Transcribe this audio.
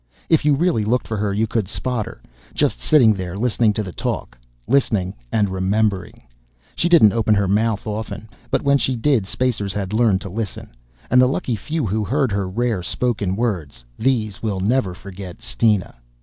If you really looked for her you could spot her just sitting there listening to the talk listening and remembering. She didn't open her own mouth often. But when she did spacers had learned to listen. And the lucky few who heard her rare spoken words these will never forget Steena.